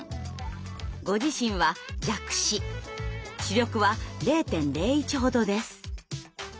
ご自身は弱視視力は０．０１ほどです。